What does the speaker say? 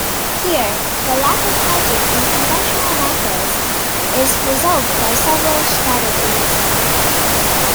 Here the lack of hygiene in conventional macros is resolved by several strategies.